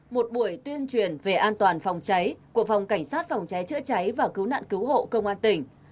một buổi tuyên truyền về an toàn phòng cháy của phòng cảnh sát phòng cháy chữa cháy và cứu nạn cứu hộ công an tỉnh